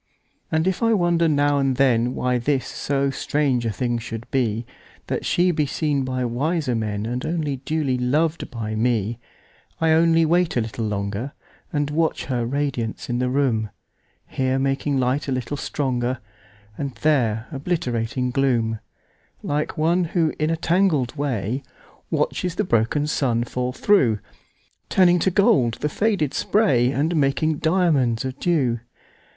And if I wonder now and thenWhy this so strange a thing should be—That she be seen by wiser menAnd only duly lov'd by me:I only wait a little longer, And watch her radiance in the room; Here making light a little stronger, And there obliterating gloom,(Like one who, in a tangled way, Watches the broken sun fall through, Turning to gold the faded spray, And making diamonds of dew).